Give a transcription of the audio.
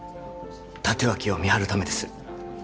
立脇を見張るためです